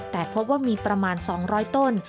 แต่พบว่ามีประมาณ๒๐๐ต้น